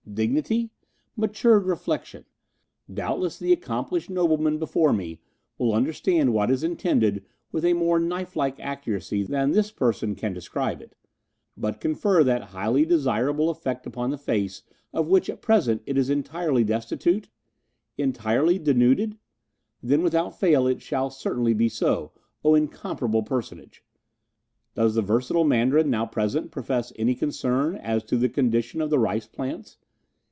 dignity? matured reflexion? doubtless the accomplished nobleman before me will understand what is intended with a more knife like accuracy than this person can describe it but confer that highly desirable effect upon the face of which at present it is entirely destitute... 'Entirely denuded?' Then without fail it shall certainly be so, O incomparable personage... Does the versatile Mandarin now present profess any concern as to the condition of the rice plants?...